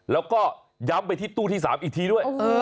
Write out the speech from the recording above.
แล้วก็ย้ำไปที่ตู้ที่๓อีกทีด้วย